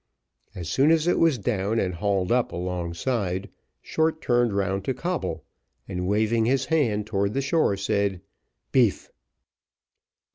As soon as it was down and hauled up alongside, Short turned round to Coble, and waving his hand towards the shore, said, "Beef."